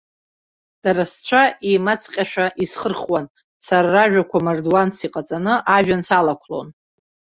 Дара, сцәа еимааҵҟьашәа исхырхуан, сара ражәақәа мардуанс иҟаҵаны ажәҩан салақәлон.